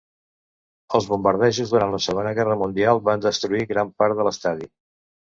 Els bombardejos durant la Segona Guerra Mundial van destruir gran part de l'estadi.